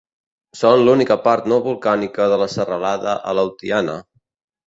Són l'única part no volcànica de la serralada Aleutiana.